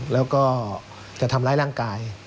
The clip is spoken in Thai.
แล้วก็จะทำร้ายร่างกาย